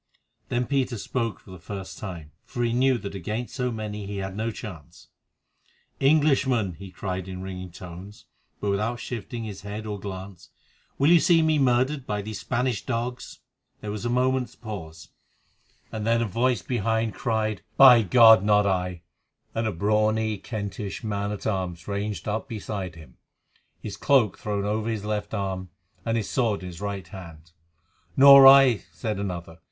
Then Peter spoke for the first time, for he knew that against so many he had no chance. "Englishmen," he cried in ringing tones, but without shifting his head or glance, "will you see me murdered by these Spanish dogs?" There was a moment's pause, then a voice behind cried: "By God! not I," and a brawny Kentish man at arms ranged up beside him, his cloak thrown over his left arm, and his sword in his right hand. "Nor I," said another.